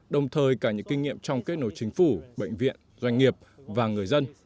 đồng thời cả những kinh nghiệm trong kết nối chính phủ bệnh viện doanh nghiệp và người dân